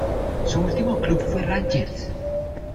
Su último club fue Rangers.